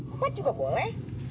empat juga boleh